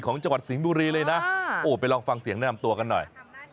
จังหวัดสิงห์บุรีเลยนะโอ้ไปลองฟังเสียงแนะนำตัวกันหน่อย